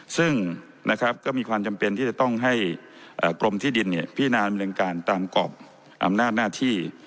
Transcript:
ซึ่งนะครับก็มีความจำเป็นที่จะต้องให้กรมที่ดินพินาดำเนินการตามกรอบอำนาจหน้าที่